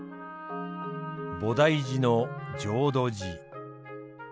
菩提寺の浄土寺。